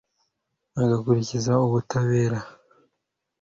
agakurikiza ubutabera